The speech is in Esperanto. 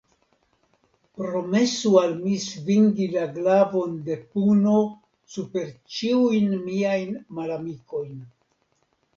Promesu al mi svingi la glavon de puno super ĉiujn miajn malamikojn.